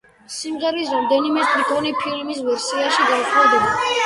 სიმღერის რამდენიმე სტრიქონი ფილმის ვერსიაში განსხვავდება.